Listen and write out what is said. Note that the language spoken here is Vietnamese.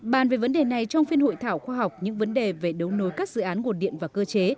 bàn về vấn đề này trong phiên hội thảo khoa học những vấn đề về đấu nối các dự án nguồn điện và cơ chế